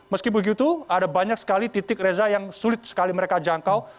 meski begitu ada banyak sekali titik reza yang sulit sekali mereka jangkau